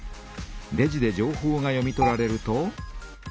レジで情報が読み取られると。